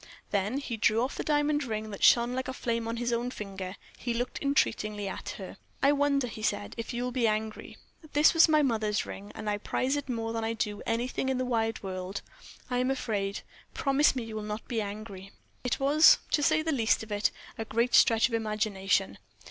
Then he drew off the diamond ring that shone like flame on his own finger; he looked entreatingly at her. "I wonder," he said, "if you will be angry? This was my mother's ring, and I prize it more than I do anything in the wide world. I am afraid. Promise me you will not be angry." It was, to say the least of it, a great stretch of imagination.